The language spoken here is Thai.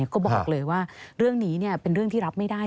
ก็บอกเลยว่าเรื่องนี้เป็นเรื่องที่รับไม่ได้